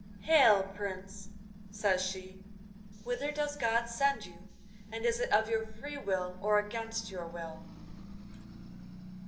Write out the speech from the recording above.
'Hail, Prince!' says she; 'whither does God send you? and is it of your free will or against your will?